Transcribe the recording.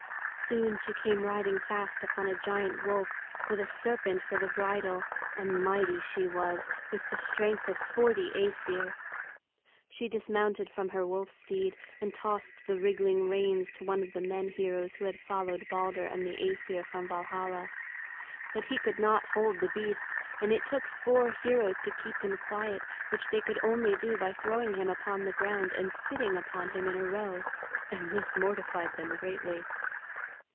Soon she came riding fast upon a giant wolf, with a serpent for the bridle; and mighty she was, with the strength of forty Æsir. She dismounted from her wolf steed, and tossed the wriggling reins to one of the men heroes who had followed Balder and the Æsir from Valhalla. But he could not hold the beast, and it took four heroes to keep him quiet, which they could only do by throwing him upon the ground and sitting upon him in a row. And this mortified them greatly.